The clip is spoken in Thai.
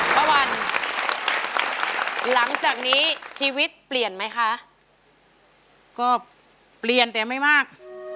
ป้าวันหลังจากนี้ชีวิตเปลี่ยนไหมคะก็เปลี่ยนแต่ไม่มาก